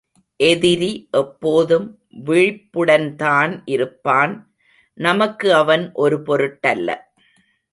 எதிரி எப்போதும் விழிப்புடன்தான் இருப்பான்!... நமக்கு அவன் ஒரு பொருட்டல்ல!